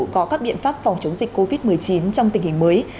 có các biện pháp phòng chống dịch covid một mươi chín trong tình hình mới